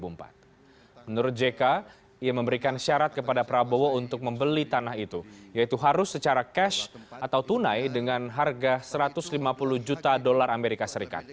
menurut jk ia memberikan syarat kepada prabowo untuk membeli tanah itu yaitu harus secara cash atau tunai dengan harga satu ratus lima puluh juta dolar amerika serikat